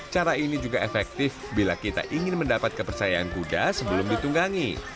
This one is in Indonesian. cara ini juga efektif bila kita ingin mendapat kepercayaan kuda sebelum ditunggangi